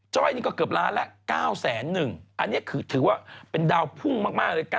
นี่ก็เกือบล้านแล้ว๙๑๐๐อันนี้คือถือว่าเป็นดาวพุ่งมากเลย